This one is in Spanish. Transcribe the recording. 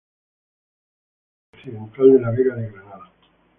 Está situada en la parte noroccidental de la Vega de Granada.